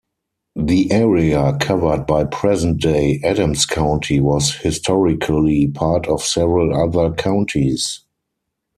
The area covered by present-day Adams County was historically part of several other counties.